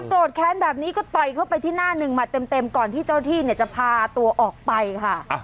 โกรธแค้นแบบนี้ก็ต่อยเข้าไปที่หน้าหนึ่งมาเต็มก่อนที่เจ้าที่เนี่ยจะพาตัวออกไปค่ะ